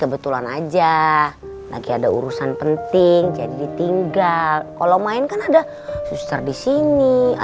belum ada yang ketinggalan